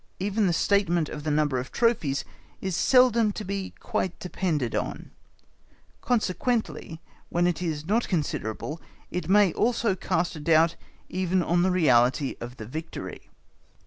Even the statement of the number of trophies is seldom to be quite depended on; consequently, when it is not considerable it may also cast a doubt even on the reality of the victory.